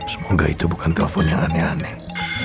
semoga itu bukan telepon yang aneh aneh